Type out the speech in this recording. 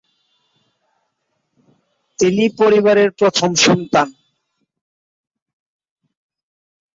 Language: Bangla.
তিনি পরিবারের প্রথম সন্তান।